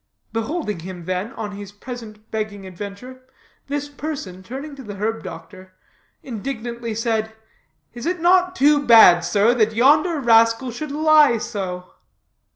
Beholding him, then, on his present begging adventure, this person, turning to the herb doctor, indignantly said: "Is it not too bad, sir, that yonder rascal should lie so?"